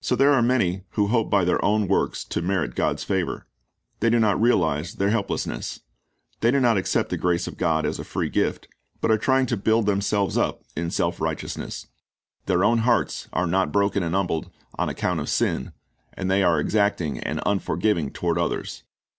So there are many who hope by their own works to merit God's favor. They do not realize their helplessness. They do not accept iPs. 130:7 2 I John 4: II ; Matt. 10:8 246 Christ's O bj c c t Lessons the grace ot God as a free gift, but are trying to build themselves up in self righteousness. Their own hearts are not broken and humbled on account of sin, and they are exactine; and unfor""iving toward others.